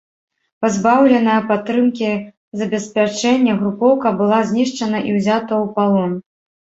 Пазбаўленая падтрымкі забеспячэння, групоўка была знішчана і ўзята ў палон.